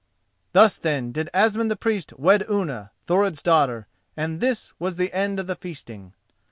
Thus, then, did Asmund the Priest wed Unna, Thorod's daughter, and this was the end of the feasting.